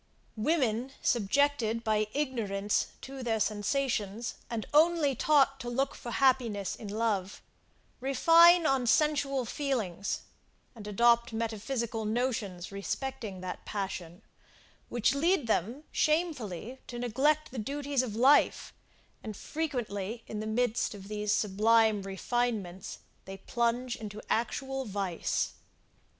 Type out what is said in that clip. Women, subjected by ignorance to their sensations, and only taught to look for happiness in love, refine on sensual feelings, and adopt metaphysical notions respecting that passion, which lead them shamefully to neglect the duties of life, and frequently in the midst of these sublime refinements they plunge into actual vice.